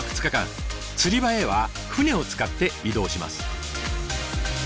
釣り場へは船を使って移動します。